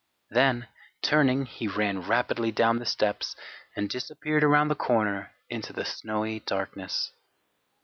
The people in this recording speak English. Then, turning, he ran rapidly down the steps and disappeared around the corner into the snowy darkness.